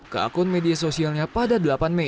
ke akun media sosialnya pada delapan mei